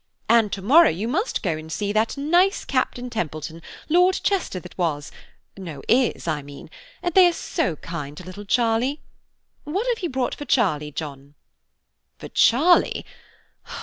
And to morrow you must go and see that nice Captain Templeton, Lord Chester that was–no, is, I mean–and they are so kind to little Charlie. What have you brought for Charlie, John?" "For Charlie?